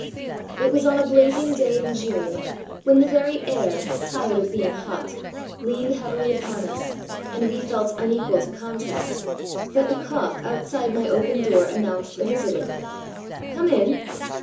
It was on a blazing day in June, when the very air, tired of being hot, leaned heavily upon us, and we felt unequal to contest, that a cough outside my open door announced a visitor. "Come in!"